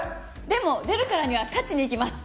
でも出るからには勝ちにいきます。